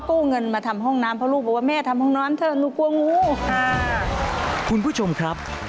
คุณผู้ชมครับ